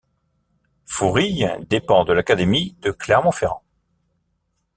Fourilles dépend de l'académie de Clermont-Ferrand.